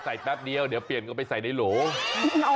ใส่ปั๊บเดียวเดี๋ยวพี่เอิ่มก็ไปใส่ในโหล